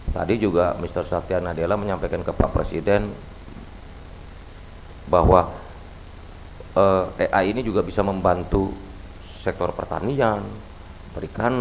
tadi juga mr satya nadela menyampaikan ke pak presiden bahwa ai ini juga bisa membantu sektor pertanian perikanan